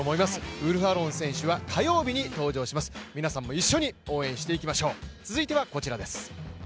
ウルフアロン選手は火曜日に登場します、皆さんも一緒に応援していきましょう。